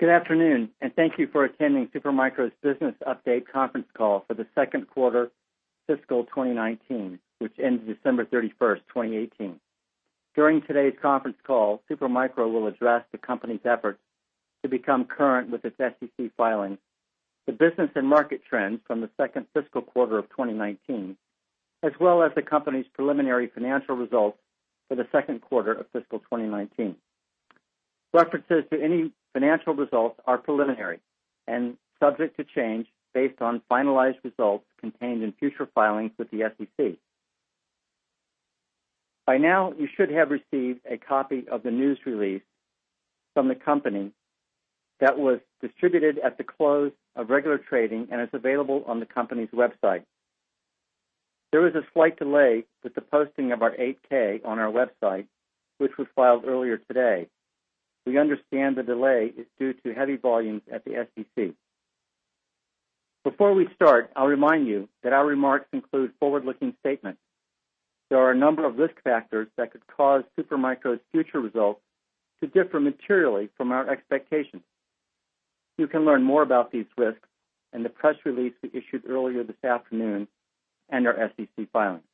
Good afternoon, thank you for attending Super Micro's business update conference call for the second quarter fiscal 2019, which ends December 31st, 2018. During today's conference call, Super Micro will address the company's efforts to become current with its SEC filings, the business and market trends from the second fiscal quarter of 2019, as well as the company's preliminary financial results for the second quarter of fiscal 2019. References to any financial results are preliminary and subject to change based on finalized results contained in future filings with the SEC. By now, you should have received a copy of the news release from the company that was distributed at the close of regular trading and is available on the company's website. There was a slight delay with the posting of our 8-K on our website, which was filed earlier today. We understand the delay is due to heavy volumes at the SEC. Before we start, I'll remind you that our remarks include forward-looking statements. There are a number of risk factors that could cause Super Micro's future results to differ materially from our expectations. You can learn more about these risks in the press release we issued earlier this afternoon and our SEC filings.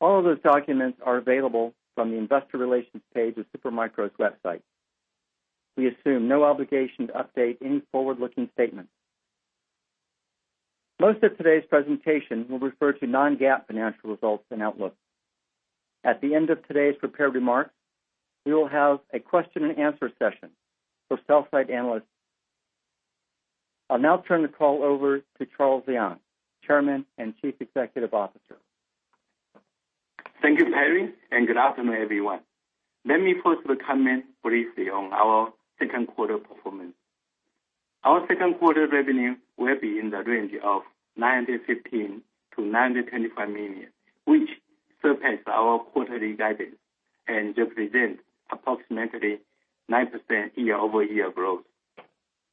All of those documents are available from the investor relations page of Super Micro's website. We assume no obligation to update any forward-looking statements. Most of today's presentation will refer to non-GAAP financial results and outlook. At the end of today's prepared remarks, we will have a question and answer session for sell-side analysts. I'll now turn the call over to Charles Liang, Chairman and Chief Executive Officer. Thank you, Perry, good afternoon, everyone. Let me first comment briefly on our second quarter performance. Our second quarter revenue will be in the range of $915 million-$925 million, which surpassed our quarterly guidance and represents approximately 9% year-over-year growth.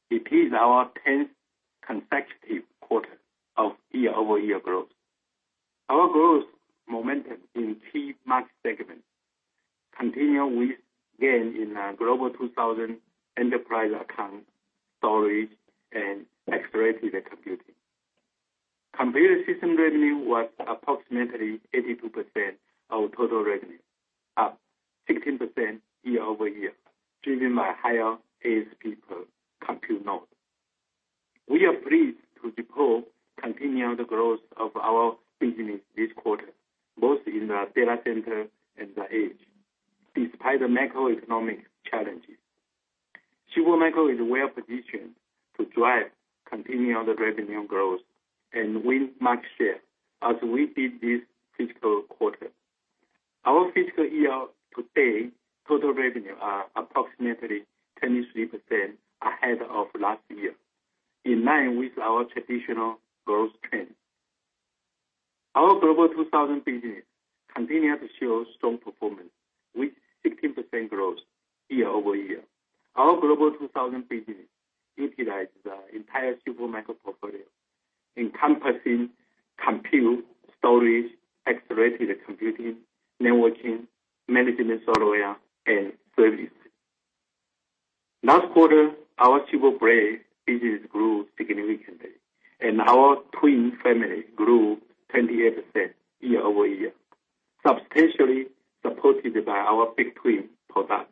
It is our tenth consecutive quarter of year-over-year growth. Our growth momentum in key market segments continue with gain in Global 2000 enterprise accounts, storage, and accelerated computing. Computer system revenue was approximately 82% of total revenue, up 16% year-over-year, driven by higher ASP per compute node. We are pleased to report continued growth of our business this quarter, both in the data center and the edge, despite the macroeconomic challenges. Super Micro is well-positioned to drive continued revenue growth and win market share as we did this fiscal quarter. Our fiscal year to date total revenue are approximately 23% ahead of last year, in line with our traditional growth trend. Our Global 2000 business continued to show strong performance with 16% growth year-over-year. Our Global 2000 business utilizes the entire Super Micro portfolio, encompassing compute, storage, accelerated computing, networking, management software, and services. Last quarter, our SuperBlade business grew significantly, our Twin family grew 28% year-over-year, substantially supported by our BigTwin product.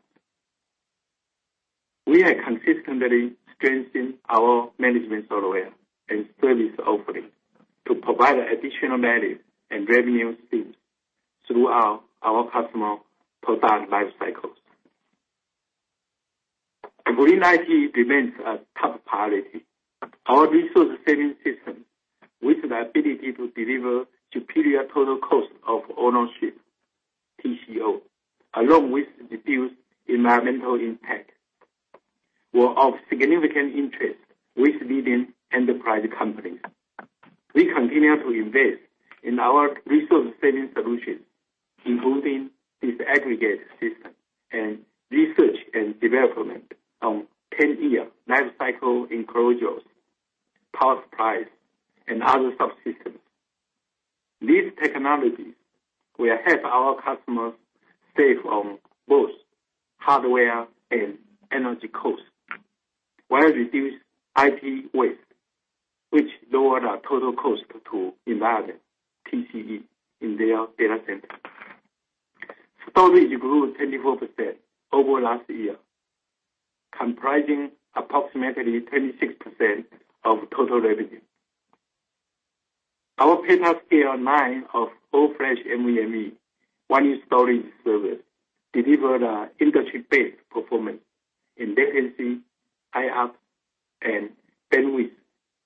We are consistently strengthening our management software and service offerings to provide additional value and revenue streams throughout our customer product life cycles. Green IT remains a top priority. Our resource-saving system with the ability to deliver superior total cost of ownership, TCO, along with reduced environmental impact, were of significant interest with leading enterprise companies. We continue to invest in our resource-saving solutions, including disaggregated system and research and development on 10-year life cycle enclosures, power supplies, and other subsystems. These technologies will help our customers save on both hardware and energy costs while reducing IT waste, which lower the total cost to environment, TCO, in their data center. Storage grew 24% over last year, comprising approximately 26% of total revenue. Our Petascale line of all-flash NVMe one storage service deliver the industry-best performance in latency, IOPS, and bandwidth,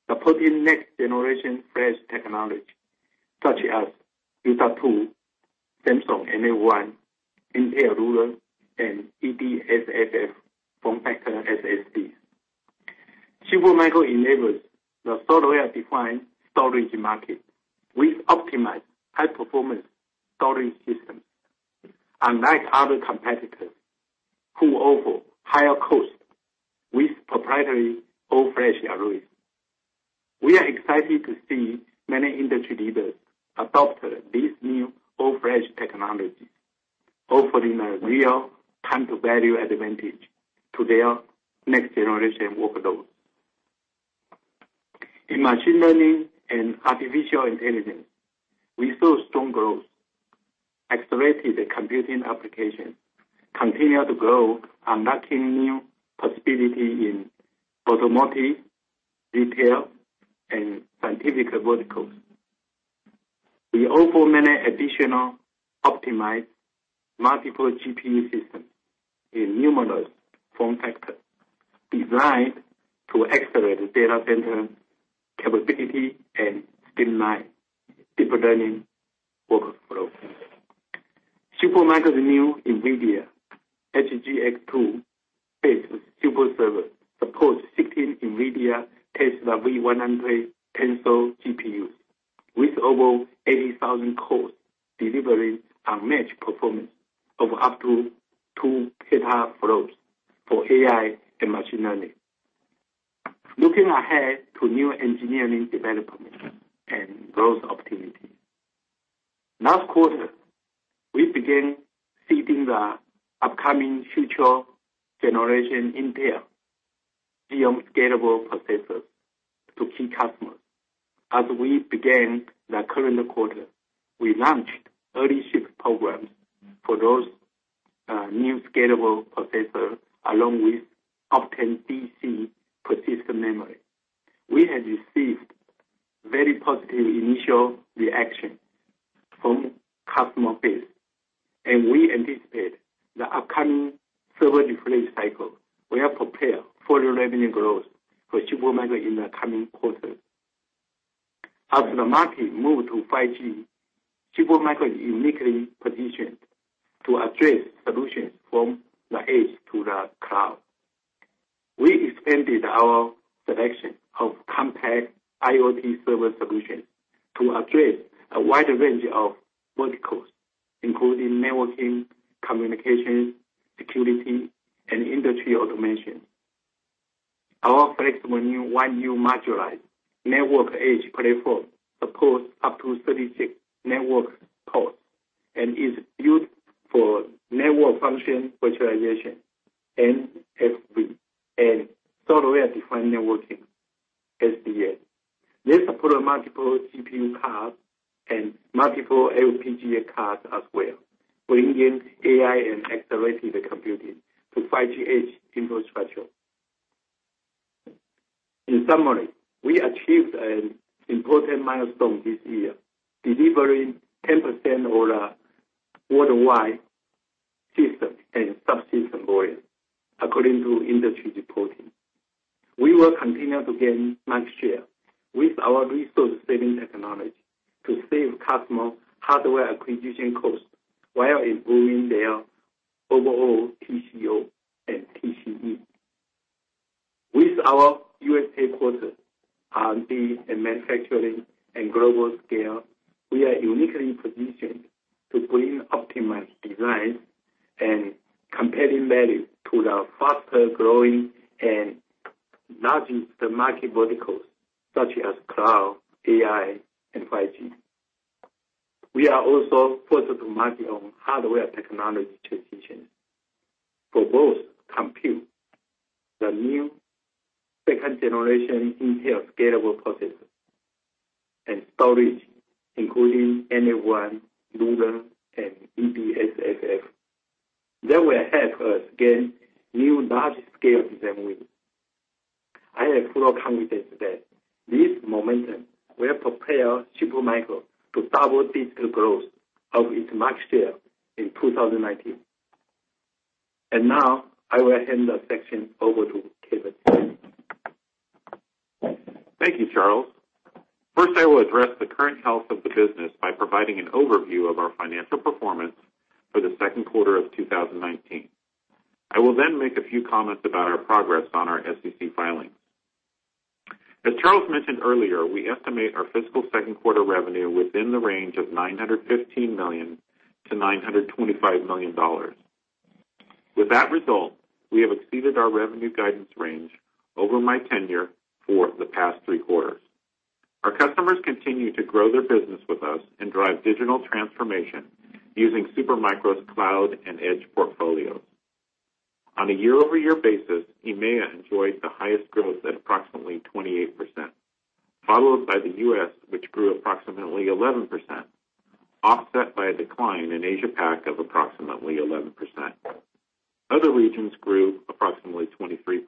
supporting next-generation flash technology such as Z-NAND, Samsung NF1, NL Ruler, and EDSFF form Factor SSD. Supermicro enables the software-defined storage market with optimized high-performance storage systems, unlike other competitors who offer higher cost with proprietary all-flash arrays. We are excited to see many industry leaders adopt these new on-premise technologies, offering a real time-to-value advantage to their next generation workloads. In machine learning and artificial intelligence, we saw strong growth. Accelerated computing applications continue to grow, unlocking new possibility in automotive, retail, and scientific verticals. We offer many additional optimized multiple GPU systems in numerous form factors designed to accelerate data center capability and streamline deep learning workflow. Supermicro's new NVIDIA HGX-2-based SuperServer supports 16 NVIDIA Tesla V100 Tensor GPUs with over 80,000 cores, delivering unmatched performance of up to 2 petaFLOPS for AI and machine learning. Looking ahead to new engineering developments and growth opportunities. Last quarter, we began seeding the upcoming future generation Intel Xeon Scalable processors to key customers. As we began the current quarter, we launched early ship programs for those new Scalable processors, along with Optane DC persistent memory. We have received very positive initial reaction from customer base, and we anticipate the upcoming server refresh cycle will prepare further revenue growth for Supermicro in the coming quarters. As the market moves to 5G, Supermicro is uniquely positioned to address solutions from the edge to the cloud. We expanded our selection of compact IoT server solutions to address a wide range of verticals, including networking, communications, security, and industry automation. Our flexible new 1U modularized network edge platform supports up to 36 network cores and is built for network function virtualization, NFV, and software-defined networking, SDN. They support multiple CPU cores and multiple FPGA cores as well, bringing AI and accelerated computing to 5G edge infrastructure. In summary, we achieved an important milestone this year, delivering 10% of the worldwide system and subsystem volume according to industry reporting. We will continue to gain market share with our resource-saving technology to save customer hardware acquisition costs while improving their overall TCO and TCE. With our USA headquarter, R&D, and manufacturing and global scale, we are uniquely positioned to bring optimized designs and competitive value to the faster-growing and largest market verticals such as cloud, AI, and 5G. We are also positioned to market on hardware technology transitions for both compute, the new second generation Intel Scalable processors, and storage, including NF1, Ruler, and EDSFF. They will help us gain new large-scale design wins. I am fully confident that this momentum will prepare Supermicro to double-digit growth of its market share in 2019. Now I will hand the section over to Kevin. Thank you, Charles. First, I will address the current health of the business by providing an overview of our financial performance for the second quarter of 2019. I will then make a few comments about our progress on our SEC filings. As Charles mentioned earlier, we estimate our fiscal second quarter revenue within the range of $915 million-$925 million. With that result, we have exceeded our revenue guidance range over my tenure for the past three quarters. Our customers continue to grow their business with us and drive digital transformation using Supermicro's cloud and edge portfolios. On a year-over-year basis, EMEA enjoyed the highest growth at approximately 28%, followed by the U.S., which grew approximately 11%, offset by a decline in Asia PAC of approximately 11%. Other regions grew approximately 23%.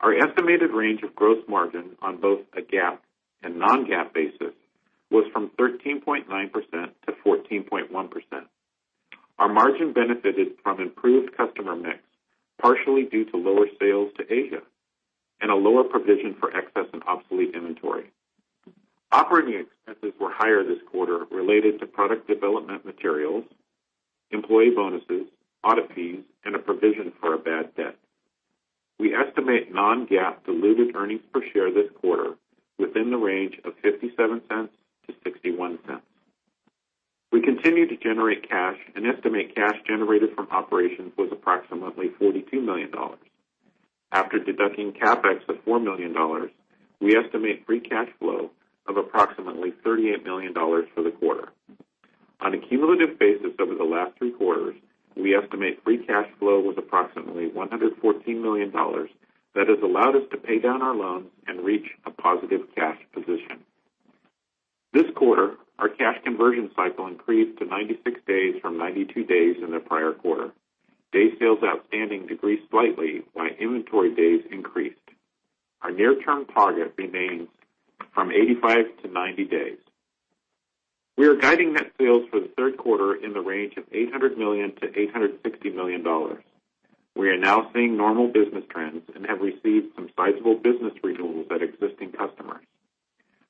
Our estimated range of gross margin on both a GAAP and non-GAAP basis was from 13.9%-14.1%. Our margin benefited from improved customer mix, partially due to lower sales to Asia and a lower provision for excess and obsolete inventory. Operating expenses were higher this quarter related to product development materials, employee bonuses, audit fees, and a provision for a bad debt. We estimate non-GAAP diluted earnings per share this quarter within the range of $0.57-$0.61. We continue to generate cash and estimate cash generated from operations was approximately $42 million. After deducting CapEx of $4 million, we estimate free cash flow of approximately $38 million for the quarter. On a cumulative basis over the last three quarters, we estimate free cash flow was approximately $114 million that has allowed us to pay down our loans and reach a positive cash position. This quarter, our cash conversion cycle increased to 96 days from 92 days in the prior quarter. Days sales outstanding decreased slightly, while inventory days increased. Our near-term target remains from 85-90 days. We are guiding net sales for the third quarter in the range of $800 million-$860 million. We are now seeing normal business trends and have received some sizable business renewals at existing customers.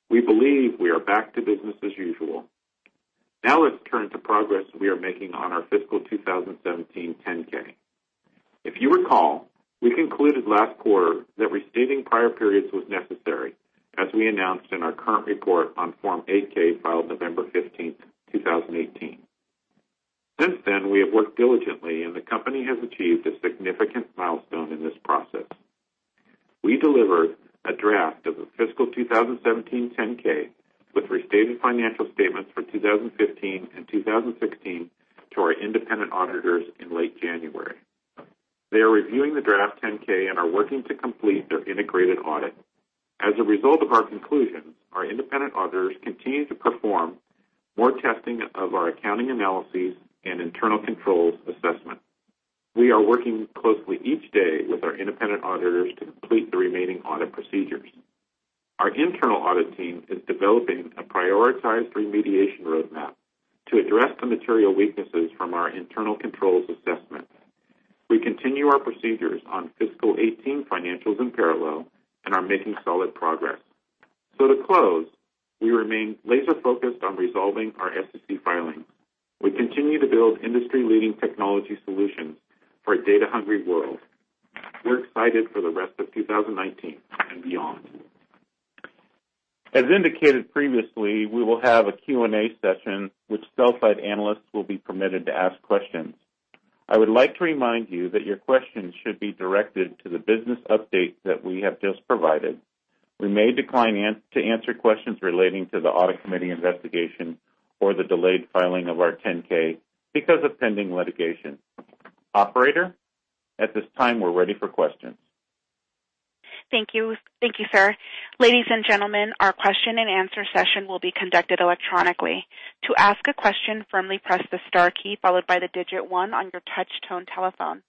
We believe we are back to business as usual. Now let's turn to progress we are making on our fiscal 2017 10-K. If you recall, we concluded last quarter that restating prior periods was necessary, as we announced in our current report on Form 8-K filed November 15, 2018. Since then, we have worked diligently, and the company has achieved a significant milestone in this process. We delivered a draft of the fiscal 2017 10-K with restated financial statements for 2015 and 2016 to our independent auditors in late January. They are reviewing the draft 10-K and are working to complete their integrated audit. As a result of our conclusions, our independent auditors continue to perform more testing of our accounting analyses and internal controls assessment. Our internal audit team is developing a prioritized remediation roadmap to address the material weaknesses from our internal controls assessment. We continue our procedures on fiscal 2018 financials in parallel and are making solid progress. To close, we remain laser-focused on resolving our SEC filings. We continue to build industry-leading technology solutions for a data-hungry world. We're excited for the rest of 2019 and beyond. As indicated previously, we will have a Q&A session which sell-side analysts will be permitted to ask questions. I would like to remind you that your questions should be directed to the business update that we have just provided. We may decline to answer questions relating to the audit committee investigation or the delayed filing of our 10-K because of pending litigation. Operator, at this time, we're ready for questions. Thank you. Thank you, sir. Ladies and gentlemen, our question-and-answer session will be conducted electronically. To ask a question, firmly press the star key followed by the digit 1 on your touch tone telephone.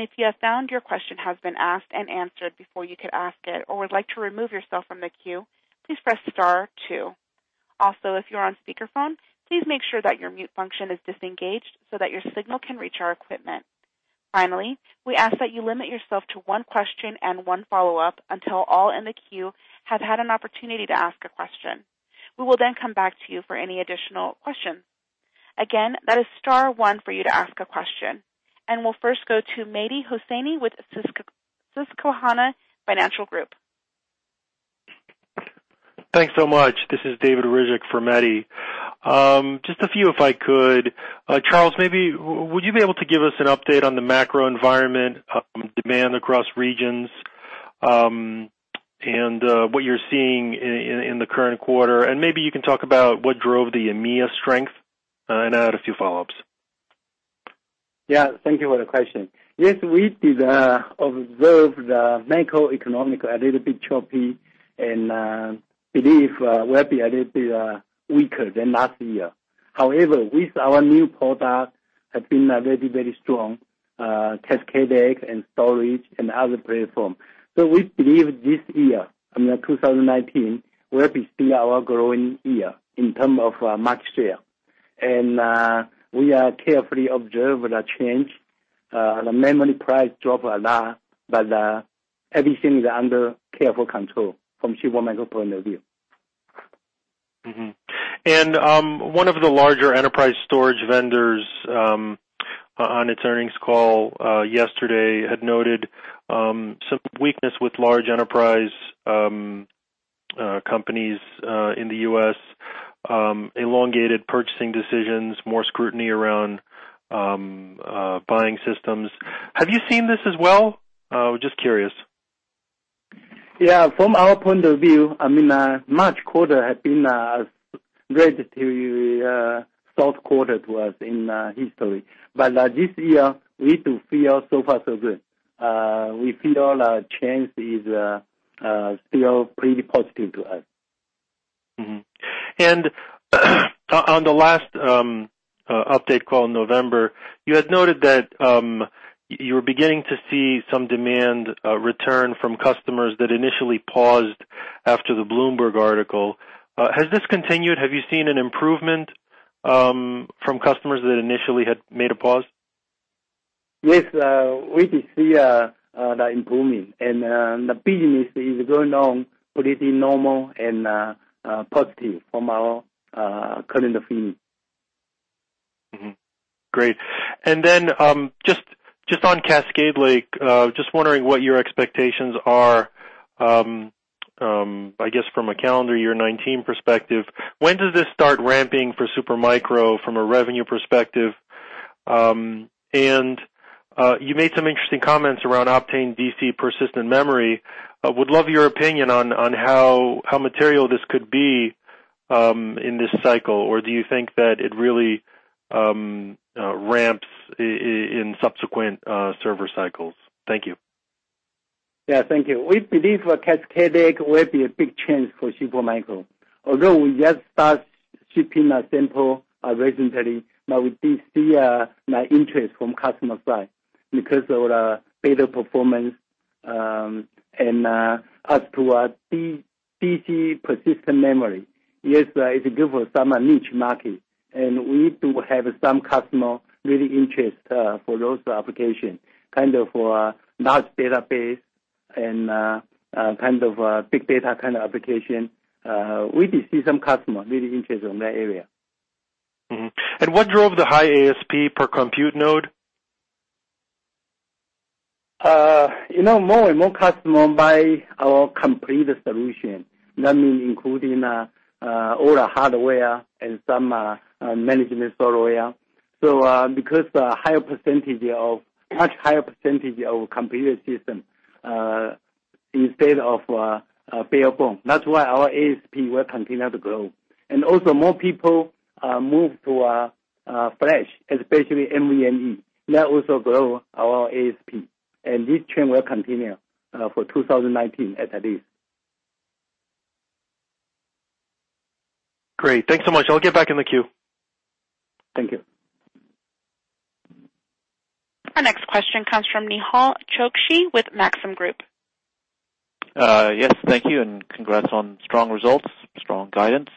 If you have found your question has been asked and answered before you could ask it or would like to remove yourself from the queue, please press star two. If you're on speakerphone, please make sure that your mute function is disengaged so that your signal can reach our equipment. We ask that you limit yourself to one question and one follow-up until all in the queue have had an opportunity to ask a question. We will come back to you for any additional questions. That is star one for you to ask a question. We'll first go to Mehdi Hosseini with Susquehanna Financial Group. Thanks so much. This is David Ruzek for Mehdi. Just a few if I could. Charles, maybe would you be able to give us an update on the macro environment, demand across regions, and what you're seeing in the current quarter? Maybe you can talk about what drove the EMEA strength, I had a few follow-ups. Thank you for the question. Yes, we did observe the macroeconomic a little bit choppy and believe will be a little bit weaker than last year. However, with our new product, have been very, very strong, Cascade Lake and storage and other platform. We believe this year, I mean, 2019, will be still our growing year in terms of market share. We are carefully observe the change. The memory price drop a lot, but everything is under careful control from Super Micro point of view. One of the larger enterprise storage vendors on its earnings call yesterday had noted some weakness with large enterprise companies in the U.S., elongated purchasing decisions, more scrutiny around buying systems. Have you seen this as well? Just curious. From our point of view, March quarter had been a relatively soft quarter to us in history. This year, we do feel so far so good. We feel change is still pretty positive to us. On the last update call in November, you had noted that you were beginning to see some demand return from customers that initially paused after the Bloomberg article. Has this continued? Have you seen an improvement from customers that initially had made a pause? Yes, we can see the improvement. The business is going on pretty normal and positive from our current feeling. Great. Just on Cascade Lake, just wondering what your expectations are, I guess, from a calendar year 2019 perspective. When does this start ramping for Supermicro from a revenue perspective? You made some interesting comments around Optane DC persistent memory. Would love your opinion on how material this could be in this cycle, or do you think that it really ramps in subsequent server cycles? Thank you. Yeah, thank you. We believe Cascade Lake will be a big change for Supermicro. Although we just start shipping a sample recently, now we did see a interest from customer side because of the better performance. As to our DC persistent memory, yes, it's good for some niche market, and we do have some customer really interest for those application, kind of for large database and kind of big data kind of application. We did see some customer really interest on that area. Mm-hmm. What drove the high ASP per compute node? More and more customer buy our complete solution. That mean including all the hardware and some management software. Because much higher percentage of computer system instead of bare bone. That's why our ASP will continue to grow. More people move to Flash, especially NVMe. That also grow our ASP. This trend will continue for 2019, at least. Great. Thanks so much. I'll get back in the queue. Thank you. Our next question comes from Nehal Chokshi with Maxim Group. Yes, thank you. Congrats on strong results, strong guidance.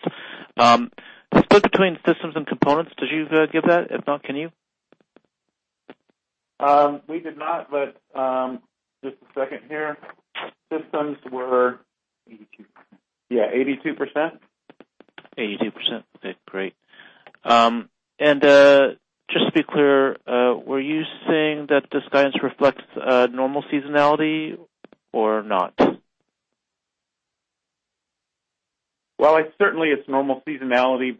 The split between systems and components, did you give that? If not, can you? We did not. Just a second here. Systems were- 82%. Yeah, 82%. 82%. Okay, great. Just to be clear, were you saying that this guidance reflects a normal seasonality or not? Well, certainly it's normal seasonality,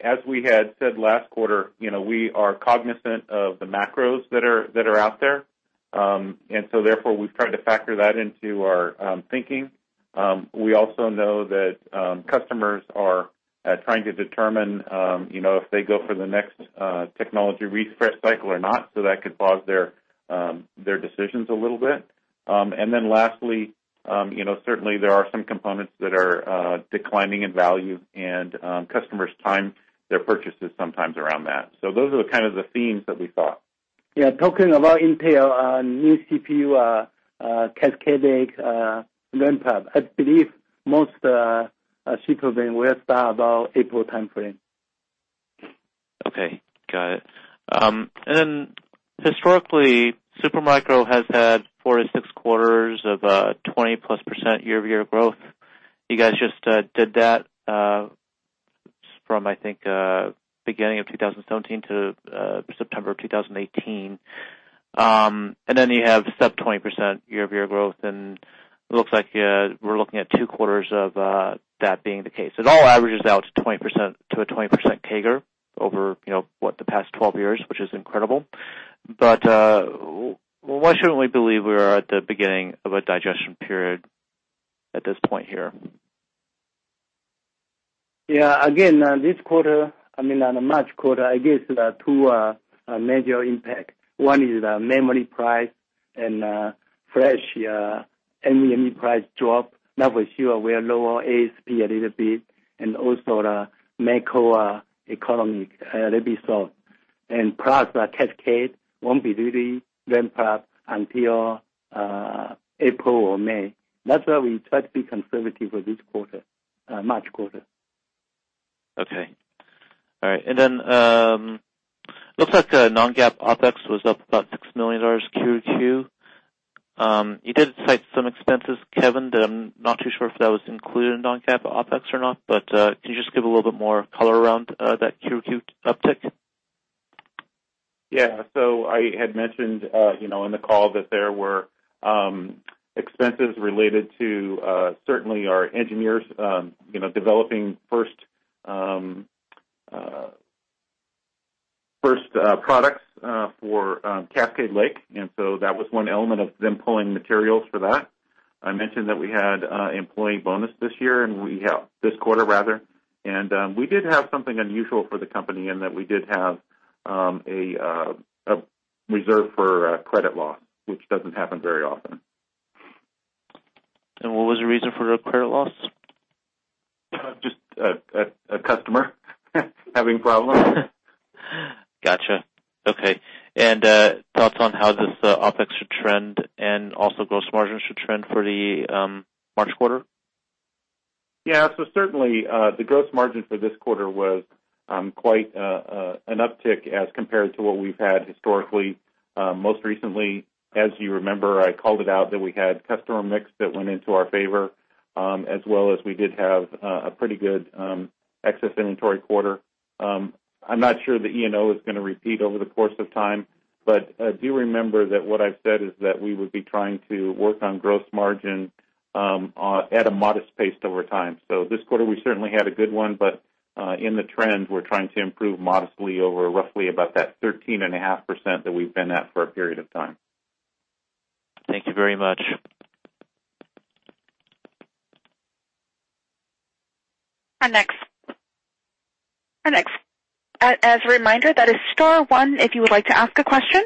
as we had said last quarter, we are cognizant of the macros that are out there. Therefore, we've tried to factor that into our thinking. We also know that customers are trying to determine if they go for the next technology refresh cycle or not, so that could pause their decisions a little bit. Lastly, certainly there are some components that are declining in value, and customers time their purchases sometimes around that. Those are the kind of the themes that we saw. Yeah. Talking about Intel, new CPU, Cascade Lake ramp up. I believe most will start about April timeframe. Okay. Got it. Historically, Super Micro has had four to six quarters of 20%-plus year-over-year growth. You guys just did that, from I think, beginning of 2017 to September of 2018. You have sub 20% year-over-year growth, and it looks like we're looking at two quarters of that being the case. It all averages out to a 20% CAGR over, what, the past 12 years, which is incredible. Why shouldn't we believe we are at the beginning of a digestion period at this point here? Again, this quarter, I mean, on the March quarter, I guess there are two major impact. One is the memory price and Flash NVMe price drop. That for sure will lower ASP a little bit, also the macro economy a little bit slow. Plus, Cascade won't be really ramped up until April or May. That's why we try to be conservative for this quarter, March quarter. Okay. All right. Then, looks like non-GAAP OpEx was up about $6 million Q to Q. You did cite some expenses, Kevin, that I'm not too sure if that was included in non-GAAP OpEx or not, but can you just give a little bit more color around that Q to Q uptick? I had mentioned in the call that there were expenses related to certainly our engineers developing first products for Cascade Lake. That was one element of them pulling materials for that. I mentioned that we had employee bonus this year, and we have this quarter, rather. We did have something unusual for the company in that we did have a reserve for credit loss, which doesn't happen very often. What was the reason for the credit loss? Just a customer having problems. Got you. Okay. Thoughts on how this OpEx should trend and also gross margins should trend for the March quarter? Yeah. Certainly, the gross margin for this quarter was quite an uptick as compared to what we've had historically. Most recently, as you remember, I called it out that we had customer mix that went into our favor. As well as we did have a pretty good excess inventory quarter. I'm not sure the E&O is going to repeat over the course of time, but do remember that what I've said is that we would be trying to work on gross margin at a modest pace over time. This quarter, we certainly had a good one, but in the trends, we're trying to improve modestly over roughly about that 13.5% that we've been at for a period of time. Thank you very much. As a reminder, that is star one if you would like to ask a question.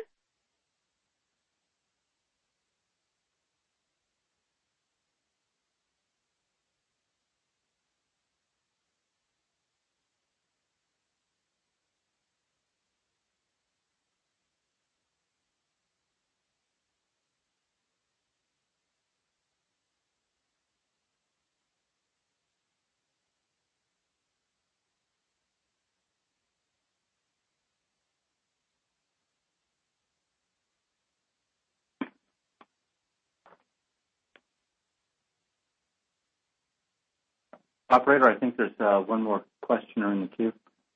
Operator, I think there's one more questioner in the queue.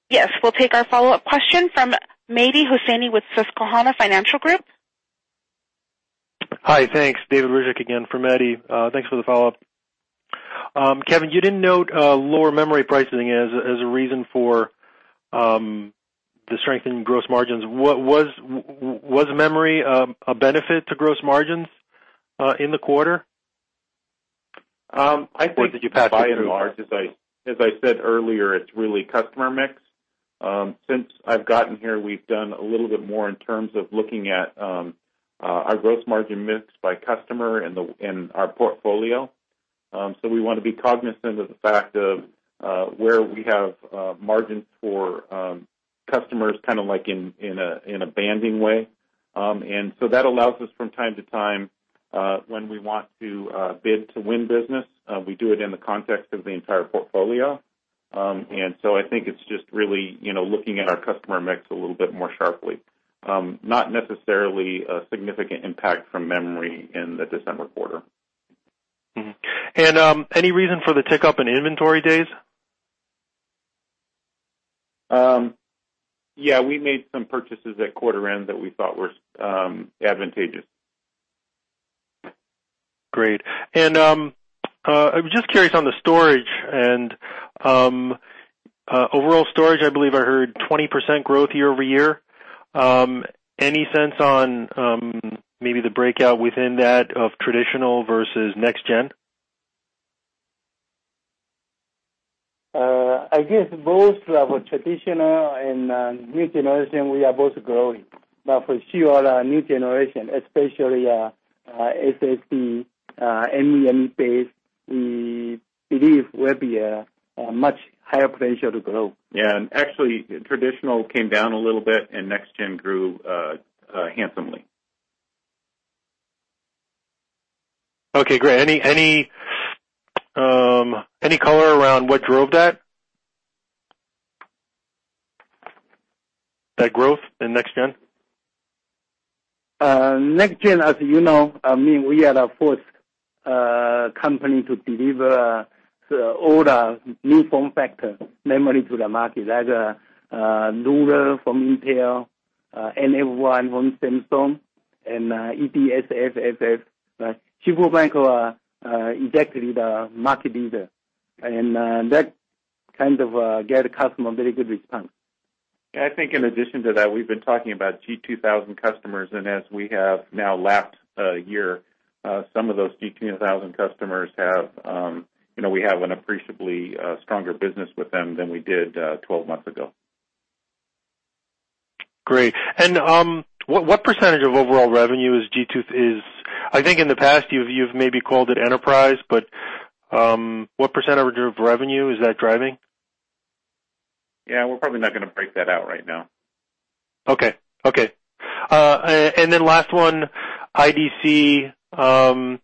Yes. We'll take our follow-up question from Mehdi Hosseini with Susquehanna Financial Group. Hi. Thanks. David Ruzek again from Mehdi. Thanks for the follow-up. Kevin, you didn't note lower memory pricing as a reason for the strength in gross margins. Was memory a benefit to gross margins in the quarter? Did you pass it through? I think by and large, as I said earlier, it's really customer mix. Since I've gotten here, we've done a little bit more in terms of looking at our gross margin mix by customer and our portfolio. We want to be cognizant of the fact of where we have margins for customers, kind of like in a banding way. That allows us from time to time, when we want to bid to win business, we do it in the context of the entire portfolio. I think it's just really looking at our customer mix a little bit more sharply. Not necessarily a significant impact from memory in the December quarter. Mm-hmm. Any reason for the tick up in inventory days? Yeah, we made some purchases at quarter end that we thought were advantageous. Great. I'm just curious on the storage and overall storage, I believe I heard 20% growth year-over-year. Any sense on maybe the breakout within that of traditional versus next gen? I guess both our traditional and new generation, we are both growing. For sure, our new generation, especially SSD, NVMe based, we believe will be a much higher potential to grow. Yeah. Actually, traditional came down a little bit and next gen grew handsomely. Okay, great. Any color around what drove that? That growth in next gen. Next gen, as you know, I mean, we are the first company to deliver all the new form factor memory to the market, like a Ruler from Intel, NF1 from Samsung, and EDSFF. Super Micro is actually the market leader, and that kind of get customer very good response. I think in addition to that, we've been talking about G2000 customers, and as we have now lapped a year, some of those G2000 customers, we have an appreciably stronger business with them than we did 12 months ago. Great. What % of overall revenue is G2000? I think in the past, you've maybe called it enterprise, but what % of revenue is that driving? We're probably not going to break that out right now. Okay. Last one, IDC, what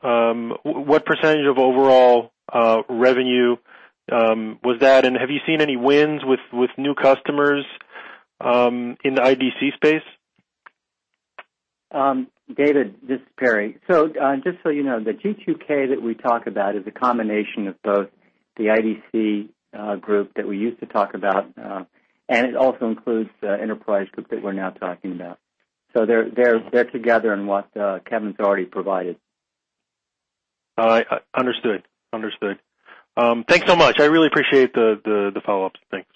% of overall revenue was that, and have you seen any wins with new customers in the IDC space? David, this is Perry. Just so you know, the G2K that we talk about is a combination of both the IDC group that we used to talk about, and it also includes the enterprise group that we're now talking about. They're together in what Kevin's already provided. All right. Understood. Thanks so much. I really appreciate the follow-ups. Thanks.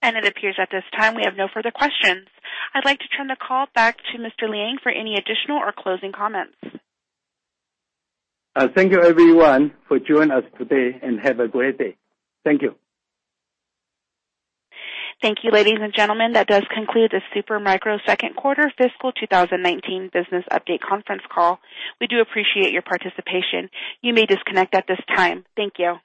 It appears at this time we have no further questions. I'd like to turn the call back to Mr. Liang for any additional or closing comments. Thank you, everyone, for joining us today, and have a great day. Thank you. Thank you, ladies and gentlemen. That does conclude the Super Micro second quarter fiscal 2019 business update conference call. We do appreciate your participation. You may disconnect at this time. Thank you.